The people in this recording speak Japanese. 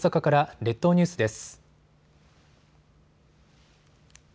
列島ニュースです。